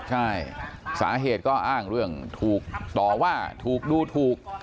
ใช่สาเหตุก็อ้างเรื่องถูกต่อว่าถูกดูถูก